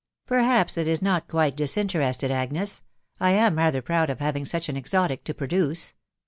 " Perhaps it is not quite disinterested, Agnes. ••• I am rather proud of having such an exotic to produce.